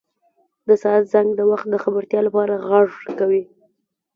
• د ساعت زنګ د وخت د خبرتیا لپاره ږغ کوي.